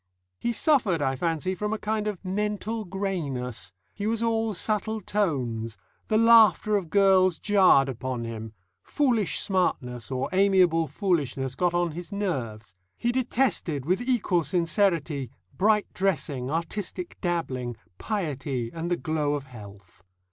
He suffered, I fancy, from a kind of mental greyness; he was all subtle tones; the laughter of girls jarred upon him; foolish smartness or amiable foolishness got on his nerves; he detested, with equal sincerity, bright dressing, artistic dabbling, piety, and the glow of health.